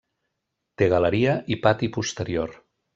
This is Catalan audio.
Té galeria i pati posterior.